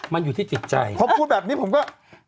มันอยู่ที่จิตใจพอพูดแบบนี้ผมก็